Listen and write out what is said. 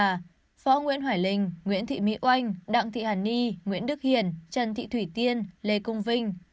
phó nguyễn hoài linh nguyễn thị mỹ oanh đặng thị hàn ni nguyễn đức hiền trần thị thủy tiên lê cung vinh